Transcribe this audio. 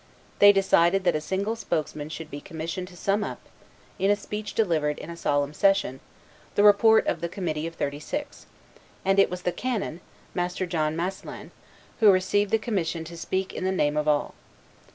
they decided that a single spokesman should be commissioned to sum up, in a speech delivered in solemn session, the report of the committee of Thirty six; and it was the canon, Master John Masselin, who received the commission to speak in the name of all.